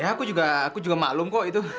aku juga aku juga maklum kok itu